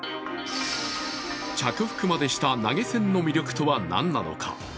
着服までした投げ銭の魅力とは何なのか？